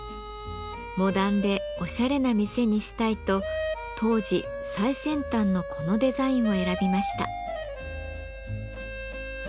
モダンでオシャレな店にしたいと当時最先端のこのデザインを選びました。